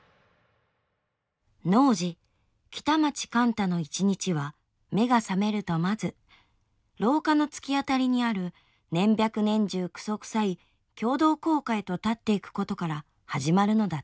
「曩時北町貫多の一日は目が覚めるとまず廊下の突き当たりにある年百年中糞臭い共同後架へと立ってゆくことから始まるのだった。